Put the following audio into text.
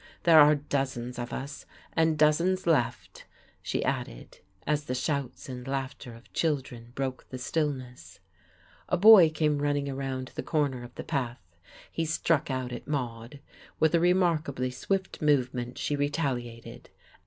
There are dozens of us. And dozens left," she added, as the shouts and laughter of children broke the stillness. A boy came running around the corner of the path. He struck out at Maude. With a remarkably swift movement she retaliated.